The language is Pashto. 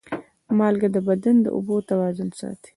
مالګه د بدن د اوبو توازن ساتي.